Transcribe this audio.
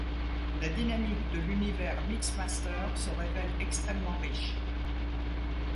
La dynamique de l'univers mixmaster se révèle extrêmement riche.